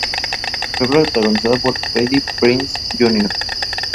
Nació en Heide, Holstein y estudió en Hannover trompa y canto.